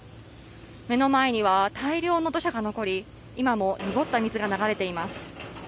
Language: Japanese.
目の前には大量の土砂が残り、今も濁った水が流れています。